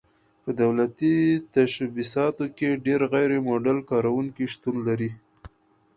په دولتي تشبثاتو کې ډېر غیر مولد کارکوونکي شتون لري.